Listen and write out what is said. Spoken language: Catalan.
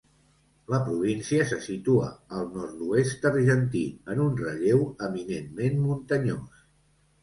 La província se situa al nord-oest argentí, en un relleu eminentment muntanyós.